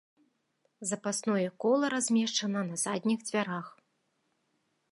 Запасное кола размешчана на задніх дзвярах.